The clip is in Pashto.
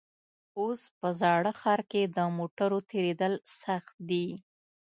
اوس په زاړه ښار کې د موټرو تېرېدل سخت دي.